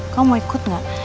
kamu mau ikut gak